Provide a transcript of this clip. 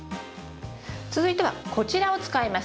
続いてはこちらを使います。